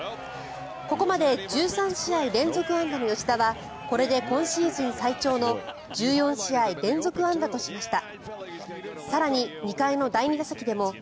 ここまで１３試合連続安打の吉田はこれで今シーズン最長の１４試合連続安打としました。